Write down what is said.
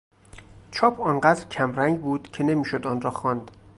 چاپ آنقدر کمرنگ بود که نمیشد آن را خواند.